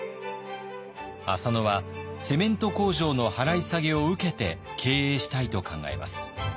浅野はセメント工場の払い下げを受けて経営したいと考えます。